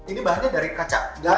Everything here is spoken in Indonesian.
ini bahannya dari kaca